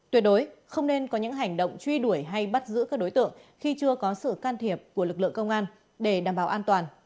tuyệt đối không nên có những hành động truy đuổi hay bắt giữ các đối tượng khi chưa có sự can thiệp của lực lượng công an để đảm bảo an toàn